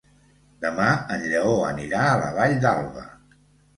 Demà en Lleó anirà a la Vall d'Alba.